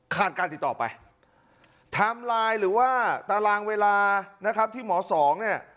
การติดต่อไปไทม์ไลน์หรือว่าตารางเวลานะครับที่หมอสองเนี่ย